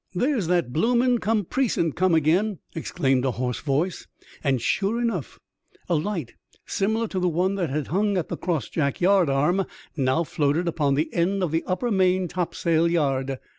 *^ There's that bloomin' compreesant come again !" exclaimed a hoarse voice; and, sure enough, a lig^t similar to the one that had hung at the crossjack yard arm now floated upon the end of the upper main topsail yard.